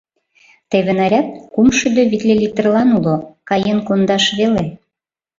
Теве наряд кум шӱдӧ витле литрлан уло... каен кондаш веле...